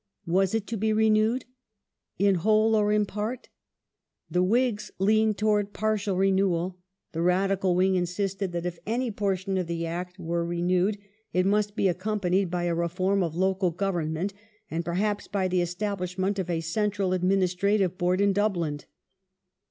Was it to be renewed ? In whole or in part ? The Whigs leaned towards partial renewal ; the Radical wing insisted that if any portion of the Act were re newed it must be accompanied by a reform of local government and perhaps by the establishment of a central administrative board in Dublin.